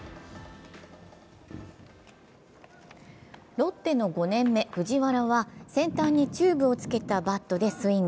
ロッテの５年目・藤原は先端にチューブをつけたバットでスイング。